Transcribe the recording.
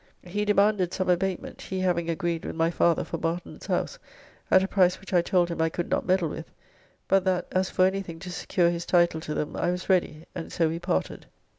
He demanded some abatement, he having agreed with my father for Barton's house, at a price which I told him I could not meddle with, but that as for anything to secure his title to them I was ready, and so we parted.